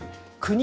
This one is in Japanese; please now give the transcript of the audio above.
国？